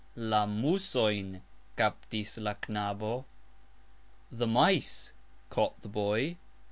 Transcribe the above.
La musojn kaptis la knabo. The mice caught the boy.